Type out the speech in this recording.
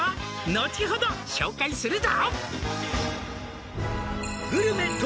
「後ほど紹介するぞ」